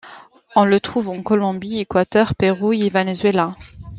On le trouve en Colombie, Équateur, Pérou et Venezuela.